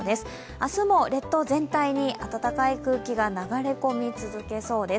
明日も列島全体に暖かい空気が流れ込み続けそうです。